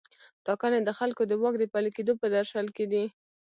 ټاکنې د خلکو د واک د پلي کیدو په درشل کې دي.